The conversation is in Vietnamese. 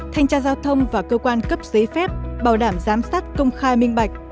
thanh tra giao thông và cơ quan cấp giấy phép bảo đảm giám sát công khai minh bạch